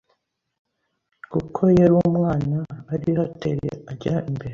kuko yari umwana ariho atera ajya imbere